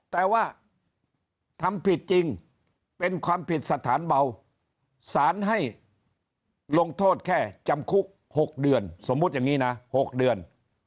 แต่ว่าทำผิดจริงเป็นความผิดสถานเบาสารให้ลงโทษแค่จำคุก๖เดือนสมมุติอย่างนี้นะ๖เดือน